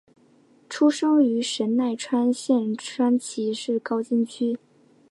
出生于神奈川县川崎市高津区。